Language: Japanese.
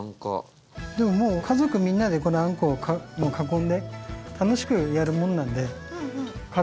でも家族みんなでこの餡こを囲んで楽しくやるものなんで。